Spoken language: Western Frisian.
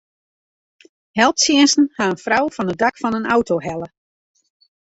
Helptsjinsten ha in frou fan it dak fan in auto helle.